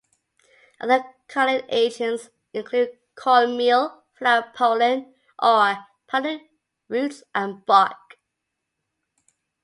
Other colouring agents include corn meal, flower pollen, or powdered roots and bark.